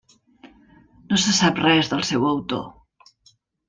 No se sap res del seu autor.